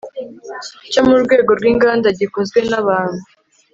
cyo mu rwego rw inganda gikozwe n abantu